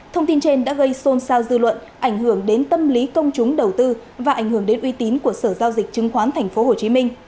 thông tin trên đã gây xôn xao dư luận ảnh hưởng đến tâm lý công chúng đầu tư và ảnh hưởng đến uy tín của sở giao dịch chứng khoán tp hcm